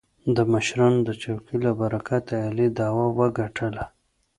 د مشرانو د چوکې له برکته علي دعوه وګټله.